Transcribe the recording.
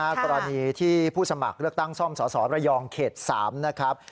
กรณีที่ผู้สมัครเลือกตั้งซ่อมสสระยองเขต๓นะครับ